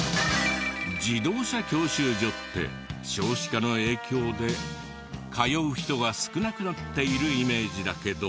自動車教習所って少子化の影響で通う人が少なくなっているイメージだけど。